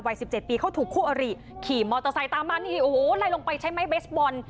สิบเจ็ดปีเขาถูกคู่อริขี่มอเตอร์ไซค์ตามมานี่โอ้โหไล่ลงไปใช้ไม้เบสบอล